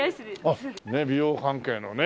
あっ美容関係のね。